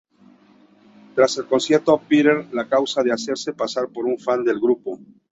Tras el concierto, Peter la acusa de hacerse pasar por una fan del grupo.